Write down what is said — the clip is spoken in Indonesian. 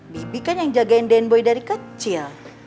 bibi kan yang jagain den boy dari kecil